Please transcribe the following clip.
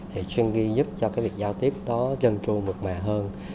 thì stringy giúp cho cái việc giao tiếp đó dân tru mực mẹ hơn